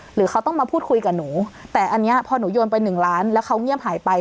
หรือเขาต้องมาพูดคุยกับหนูแต่อันนี้พอหนูโยนไปหนึ่งล้านแล้วเขาเงียบหายไป